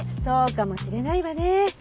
そうかもしれないわね。